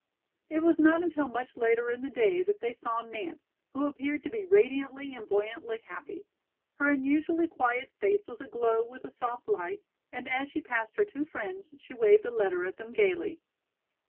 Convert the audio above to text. It was not until much later in the day that they saw Nance, who appeared to be radiantly and buoyantly happy. Her usually quiet face was aglow with a soft light, and as she passed her two friends she waved a letter at them gayly.